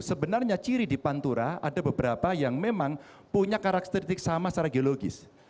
sebenarnya ciri di pantura ada beberapa yang memang punya karakteristik sama secara geologis